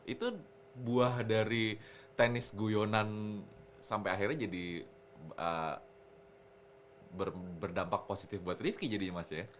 itu buah dari tenis guyonan sampai akhirnya jadi berdampak positif buat rifki jadinya mas ya